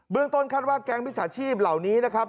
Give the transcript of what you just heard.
เบื้องต้นคาดว่าแกล้งพิสาชีพเหล่านี้นะครับ